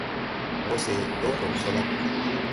Wɔ se dɔɔ no sɔ la ?